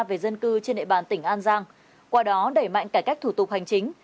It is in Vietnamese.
về dân cư trên địa bàn tỉnh an giang qua đó đẩy mạnh cải cách thủ tục hành chính